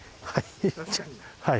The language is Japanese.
はい。